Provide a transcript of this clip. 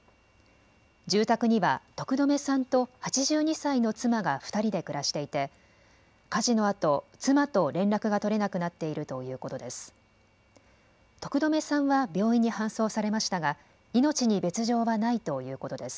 住宅には徳留さんと８２歳の妻が２人で暮らしていて、火事のあと妻と連絡が取れなくなっているということです。